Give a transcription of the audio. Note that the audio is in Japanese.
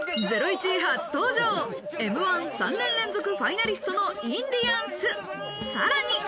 『ゼロイチ』初登場、Ｍー１、３年連続ファイナリストのインディアンス、さらに。